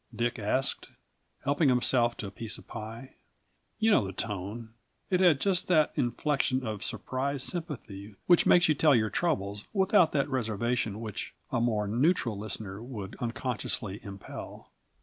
Dick asked, helping himself to a piece of pie. You know the tone; it had just that inflection of surprised sympathy which makes you tell your troubles without that reservation which a more neutral listener would unconsciously impel.